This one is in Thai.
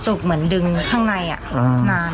จัดกระบวนพร้อมกัน